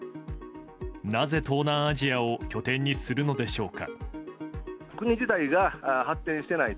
なぜ、東南アジアを拠点にするのでしょうか。